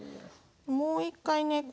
もう１回ね